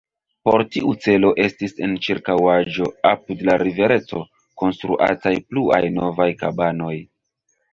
Por tiu celo estis en ĉirkaŭaĵo, apud la rivereto, konstruataj pluaj novaj kabanoj.